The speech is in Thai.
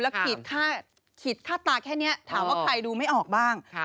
ขีดค่าตาแค่นี้ถามว่าใครดูไม่ออกบ้าง